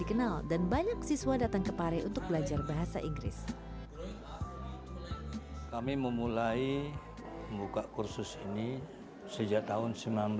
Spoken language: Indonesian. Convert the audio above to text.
kami memulai membuka kursus ini sejak tahun seribu sembilan ratus tujuh puluh tujuh